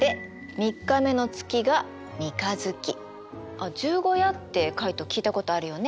あっ十五夜ってカイト聞いたことあるよね？